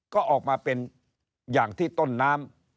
ก็ออกมาเป็นอย่างที่ต้นน้ำ